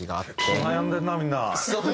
結構悩んでるなみんな。